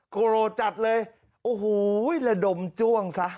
โกรธจัดเลยโอ้โหแล้วดมจ้วงซะอุ้ย